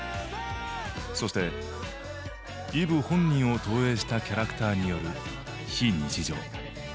そしてＥｖｅ本人を投影したキャラクターによる非日常。